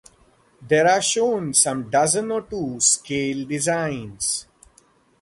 There are shown some dozen or two scale designs.